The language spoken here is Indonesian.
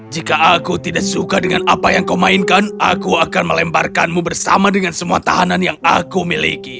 jika aku tidak suka dengan apa yang kau mainkan aku akan melemparkanmu bersama dengan semua tahanan yang aku miliki